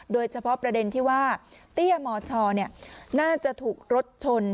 โดยเฉพาะประเด็นที่ว่าเตี้ยมชน่าจะถูกรถชน